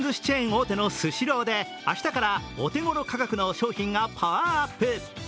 大手のスシローで明日からお手ごろ価格の商品がパワーアップ。